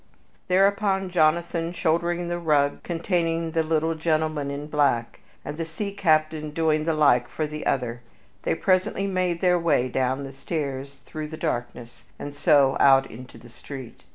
Thereupon, Jonathan shouldering the rug containing the little gentleman in black, and the sea captain doing the like for the other, they presently made their way down the stairs through the darkness, and so out into the street.